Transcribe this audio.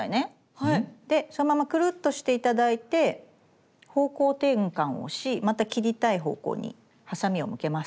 でそのままくるっとして頂いて方向転換をしまた切りたい方向にハサミを向けます。